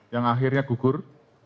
yang akhirnya gugur